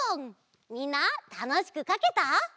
みんなたのしくかけた？